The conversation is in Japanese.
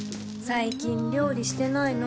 最近料理してないの？